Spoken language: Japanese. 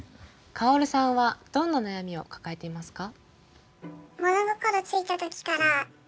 カオルさんはどんな悩みを抱えていますか？